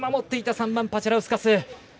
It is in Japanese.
３番、パジャラウスカス。